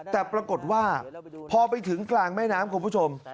แต่ปรากฏว่าพอไปถึงกลางแม่น้ำคุณผู้ชม